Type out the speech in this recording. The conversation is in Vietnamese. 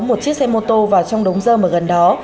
một chiếc xe mô tô vào trong đống dơ ở gần đó